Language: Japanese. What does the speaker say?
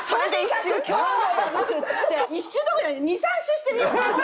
１周どころじゃない２３周してるよ。